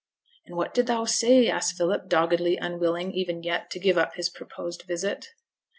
'And what did thou say?' asked Philip, doggedly unwilling, even yet, to give up his purposed visit.